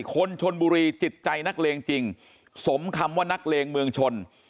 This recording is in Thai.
คนชนบุรีจิตใจนักเลงจริงสมคำว่านักเลงเมืองชน